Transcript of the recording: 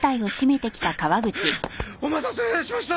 お待たせしました！